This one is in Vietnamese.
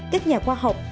các nhà khoa học